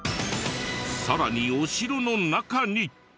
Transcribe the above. さらにお城の中に。